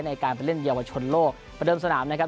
ในการเร่นเยี่ยมวัชชนโลกประเดิมสนามนะครับ